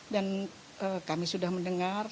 dan kami sudah mendengar